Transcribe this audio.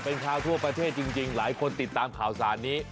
เป็นข่าวทั่วประเทศจริงหลายคนติดตามข่าวสารนี้